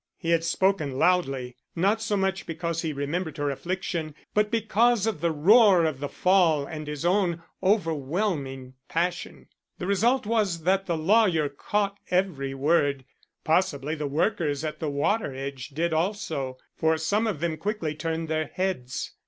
He had spoken loudly; not so much because he remembered her affliction, but because of the roar of the fall and his own overwhelming passion. The result was that the lawyer caught every word; possibly the workers at the water edge did also; for some of them quickly turned their heads.